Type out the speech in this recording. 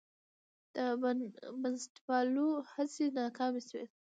د بنسټپالو هڅې ناکامې شوې.